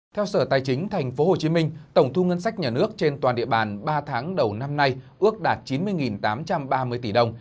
theo sở tài chính tp hcm tổng thu ngân sách nhà nước trên toàn địa bàn ba tháng đầu năm nay ước đạt chín mươi tám trăm ba mươi tỷ đồng